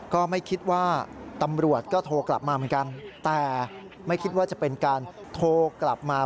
ก็ไม่คิดว่าตำรวจก็โทรกลับมาเหมือนกันแต่ไม่คิดว่าจะเป็นการโทรกลับมา